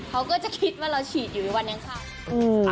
เขาก็จะคิดว่าเราฉีดอยู่ในวันอังคาร